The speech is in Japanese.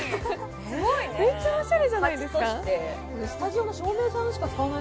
すごいねめっちゃおしゃれじゃないですか？